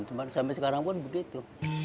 cuma sampai sekarang pun begitu